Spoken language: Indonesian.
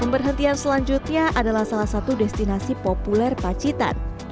pemberhentian selanjutnya adalah salah satu destinasi populer pacitan